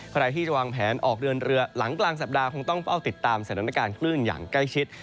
ใครที่จะวางแผนออกเดินเรือหลังกลางสัปดาห์คงต้องเฝ้าติดตามสถานการณ์คลื่นอย่างใกล้ชิด